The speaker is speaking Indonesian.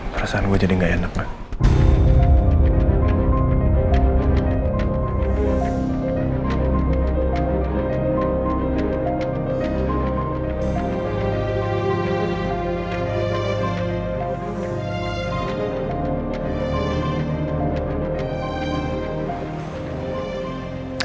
perasaan gua jadi gak enak gak